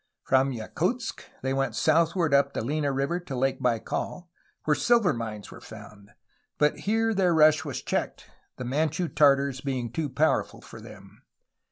From Yakutsk they went southward up the Lena River to Lake Baikal, where silver mines were found, but here their rush was checked, the Manchu Tartars being too powerful for them.